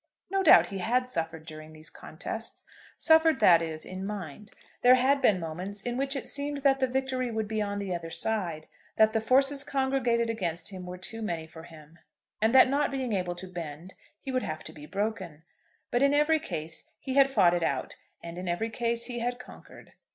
No doubt he had suffered during these contests, suffered, that is, in mind. There had been moments in which it seemed that the victory would be on the other side, that the forces congregated against him were too many for him, and that not being able to bend he would have to be broken; but in every case he had fought it out, and in every case he had conquered.